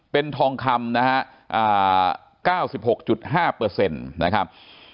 เป็นทองคำนะฮะอ่าเก้าสิบหกจุดห้าเปอร์เซ็นต์นะครับ